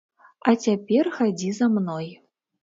А цяпер хадзі за мной.